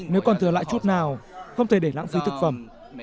nếu còn thừa lại chút nào không thể để lãng phí thực phẩm